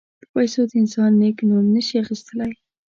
په پیسو د انسان نېک نوم نه شي اخیستلای.